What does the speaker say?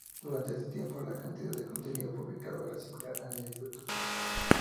Durante ese tiempo, la cantidad de contenido publicado era similar al de Youtube.